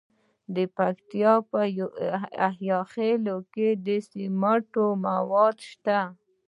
د پکتیکا په یحیی خیل کې د سمنټو مواد شته.